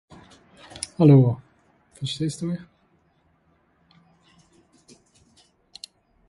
I'm not really sure what to do in this factory area.